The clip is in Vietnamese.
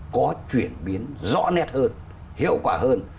có chuyển biến rõ nét hơn hiệu quả hơn